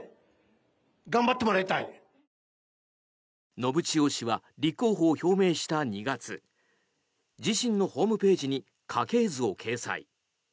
信千世氏は立候補を表明した２月自身のホームページに家系図を掲載。